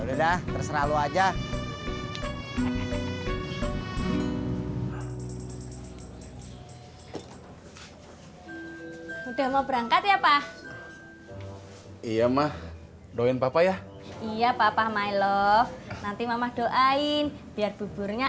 udah terseralu aja udah mau berangkat ya pak iya mah doain papa ya iya papa my love nanti mama doain biar buburnya